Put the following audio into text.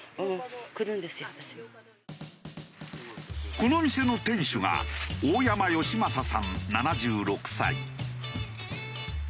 この店の店主が大山義正さん７６歳。